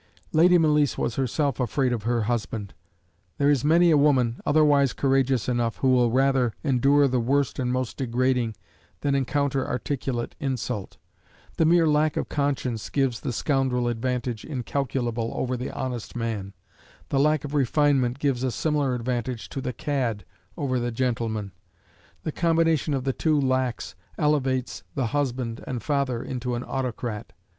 Lady Malice was herself afraid of her husband. There is many a woman, otherwise courageous enough, who will rather endure the worst and most degrading, than encounter articulate insult. The mere lack of conscience gives the scoundrel advantage incalculable over the honest man; the lack of refinement gives a similar advantage to the cad over the gentleman; the combination of the two lacks elevates the husband and father into an autocrat.